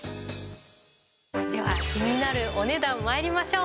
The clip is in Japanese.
では気になるお値段まいりましょう。